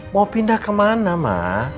mau pindah kemana ma